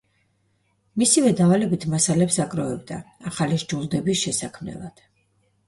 მისივე დავალებით მასალებს აგროვებდა ახალი სჯულდების შესაქმნელად.